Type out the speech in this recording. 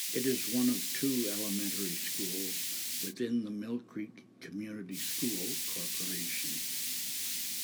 It is one of two elementary schools within the Mill Creek Community School Corporation.